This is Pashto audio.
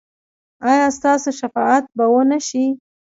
ایا ستاسو شفاعت به و نه شي؟